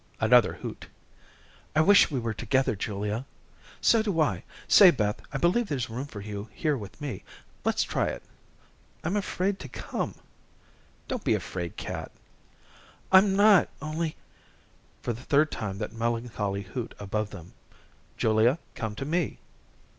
Another hoot. "I wish we were together, Julia." "So do I. Say, Beth, I believe there's room for you here with me. Let's try it." "I'm afraid to come." "Don't be a 'fraid cat." "I'm not, only " For the third time that melancholy hoot above them. "Julia, come to me."